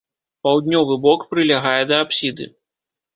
Паўднёвы бок прылягае да апсіды.